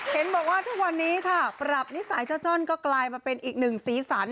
เห็นบอกว่าทุกวันนี้ค่ะปรับนิสัยเจ้าจ้อนก็กลายมาเป็นอีกหนึ่งสีสัน